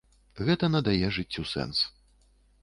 Гэта надае жыццю сэнс.